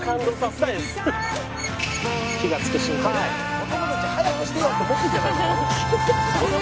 「子どもたち早くしてよって思ってるんじゃないの？」